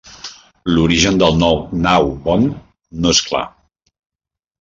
L'origen del nom Gnaw Bone no és clar.